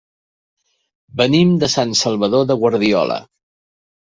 Venim de Sant Salvador de Guardiola.